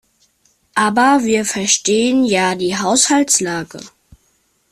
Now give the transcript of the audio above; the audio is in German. Aber wir verstehen ja die Haushaltslage.